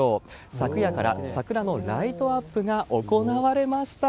昨夜から桜のライトアップが行われました。